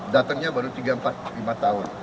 datangnya baru tiga empat lima tahun